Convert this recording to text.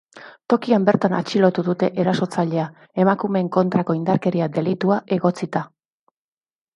Tokian bertan atxilotu dute erasotzailea, emakumeen kontrako indarkeria delitua egotzita.